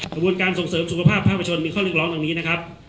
กระบวนการส่งเสริมสุขภาพภาพประชนมีข้อเรียกร้องตรงนี้นะครับ